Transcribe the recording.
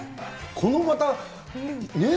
この、また、ねぇ。